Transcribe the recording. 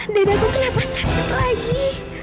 dedekku kenapa sakit lagi